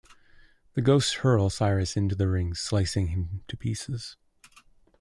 The ghosts hurl Cyrus into the rings, slicing him to pieces.